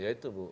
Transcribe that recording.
ya itu bu